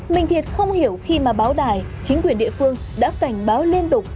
mình thiệt không hiểu khi mà báo đài chính quyền địa phương đã cảnh báo liên tục